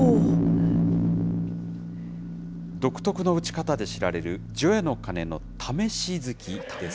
独特の打ち方で知られる除夜の鐘の試しづきです。